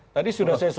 tadi sudah saya sebutkan